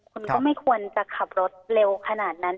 คุณก็ไม่ควรจะขับรถเร็วขนาดนั้น